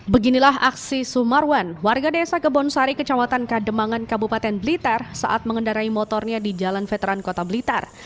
beginilah aksi sumarwan warga desa kebonsari kecamatan kademangan kabupaten blitar saat mengendarai motornya di jalan veteran kota blitar